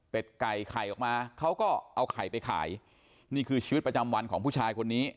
เป็นไก่ไข่ออกมาเขาก็เอาไข่ไปขายนี่คือชีวิตประจำวันของผู้ชายคนนี้